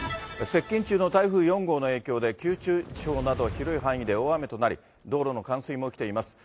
接近中の台風４号の影響で、九州地方など広い範囲で大雨となり、道路の冠水も起きています。